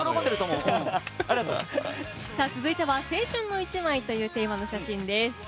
続いては青春の１枚というテーマの写真です。